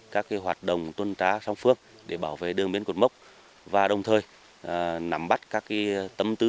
các hoạt động tuần tra song phương để bảo vệ đường biên cột mốc và đồng thời nắm bắt các tâm tư